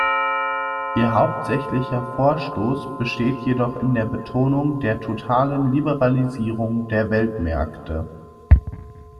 Ihr hauptsächlicher Vorstoß besteht jedoch in der Betonung der totalen Liberalisierung der Weltmärkte.